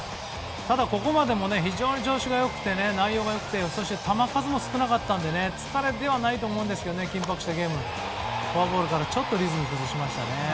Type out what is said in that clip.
ただ、ここまで非常に調子が良くて内容も良くてそして球数も少なかったので疲れではないと思うんですが緊迫したゲームでフォアボールからリズム崩しましたね。